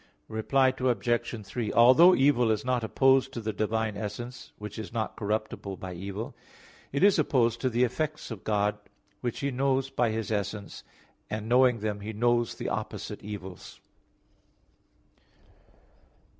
Reply Obj. 3: Although evil is not opposed to the divine essence, which is not corruptible by evil; it is opposed to the effects of God, which He knows by His essence; and knowing them, He knows the opposite evils.